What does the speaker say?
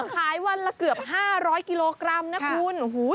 ขายวันละ๕๐๐กิโลกรัมนะครู